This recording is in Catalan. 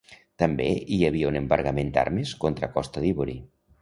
També hi havia un embargament d'armes contra Costa d'Ivori.